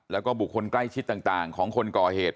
แล้วก็บุคคลใกล้ชิดต่างของคนก่อเหตุ